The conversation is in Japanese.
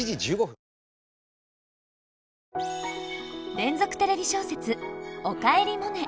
連続テレビ小説「おかえりモネ」。